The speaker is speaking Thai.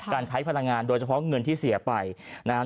การใช้พลังงานโดยเฉพาะเงินที่เสียไปนะครับ